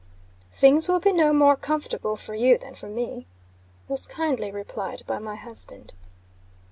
"Things will be no more comfortable for you than for me," was kindly replied by my husband.